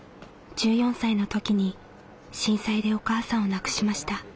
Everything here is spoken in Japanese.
１４歳の時に震災でお母さんを亡くしました。